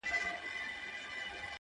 • قربان د ډار له کيفيته چي رسوا يې کړم.